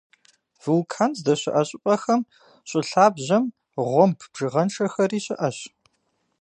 Вулкан здэщыӀэ щӀыпӀэхэм щӀы лъабжьэм гъуэмб бжыгъэншэхэри щыӀэщ.